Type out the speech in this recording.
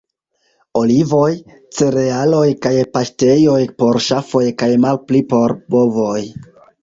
Olivoj, cerealoj kaj paŝtejoj por ŝafoj kaj malpli por bovoj.